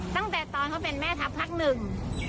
ตั้งแต่ตอนเขาเป็นแม่ทัพภาคหนึ่ง